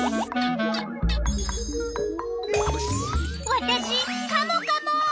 わたしカモカモ。